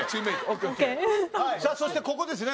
さあそしてここですね。